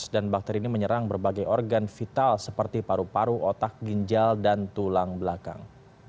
dan bakteri ini menyerang berbagai organ vital seperti paru paru otak ginjal dan tulang belakang